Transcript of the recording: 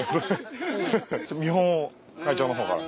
見本を会長の方から。